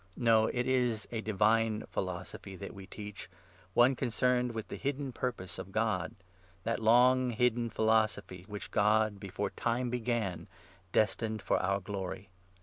No, 7 it is a divine philosophy that we teach, one concerned with the hidden purpose of God — that long hidden philosophy which God, before time began, destined for our glory.